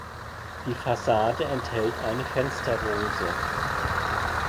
Die Fassade enthält eine Fensterrose.